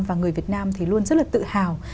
và người việt nam luôn rất tự hào